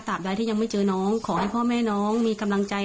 ใดที่ยังไม่เจอน้องขอให้พ่อแม่น้องมีกำลังใจ